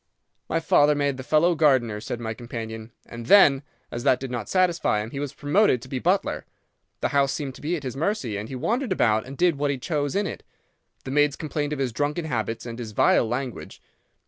"'My father made the fellow gardener,' said my companion, 'and then, as that did not satisfy him, he was promoted to be butler. The house seemed to be at his mercy, and he wandered about and did what he chose in it. The maids complained of his drunken habits and his vile language.